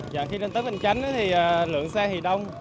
và khi lên tới bình chánh thì lượng xe thì đông